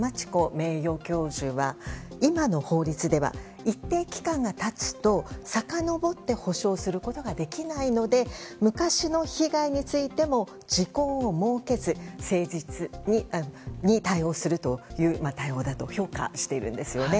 名誉教授は今の法律では一定期間が経つとさかのぼって補償することができないので昔の被害についても時効を設けず誠実に対応するという対応だと評価しているんですね。